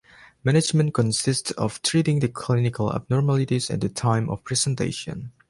Management consists of treating the clinical abnormalities at the time of presentation.